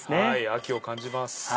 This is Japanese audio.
秋を感じます。